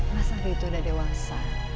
mas ardi itu udah dewasa